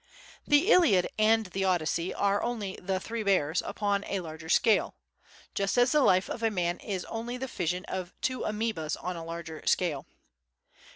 '" The Iliad and the Odyssey are only "The Three Bears" upon a larger scale. Just as the life of a man is only the fission of two amœbas on a larger scale.